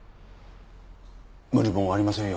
無理もありませんよ。